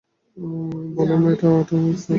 বললাম না, এটা আঠা না!